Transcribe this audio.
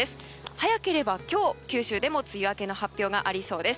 早ければ今日、九州でも梅雨明けの発表がありそうです。